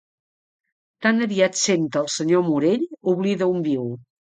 Tan aviat sent el senyor Morell oblida on viu.